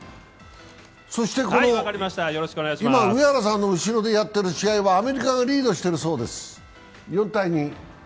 そして今、上原さんの後ろでやってる試合はアメリカがリードしているそうです、４−２。